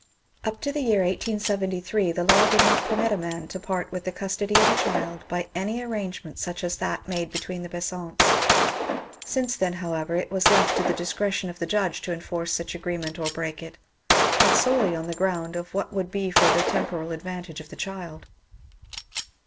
Up to the year 1873 the law did not permit a man to part with the custody of a child by any arrangement such as that made between the Besants ; since then, however, it was left to the discretion of the judge to enforce such agreement or break it, but solely on the ground of what would be for the temporal advantage of the child.